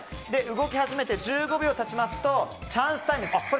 動き始めて１５秒経ちますとチャンスタイムです。